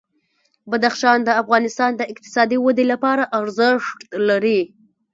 بدخشان د افغانستان د اقتصادي ودې لپاره ارزښت لري.